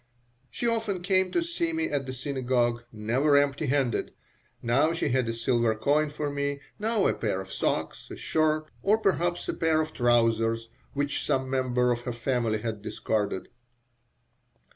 She often came to see me at the synagogue, never empty handed. Now she had a silver coin for me, now a pair of socks, a shirt, or perhaps a pair of trousers which some member of her family had discarded.